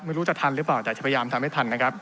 ไม่รู้จะทันหรือเปล่าแต่จะพยายามทำให้ทันนะครับ